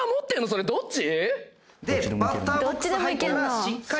それどっち？